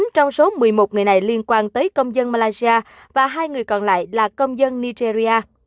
chín trong số một mươi một người này liên quan tới công dân malaysia và hai người còn lại là công dân nigeria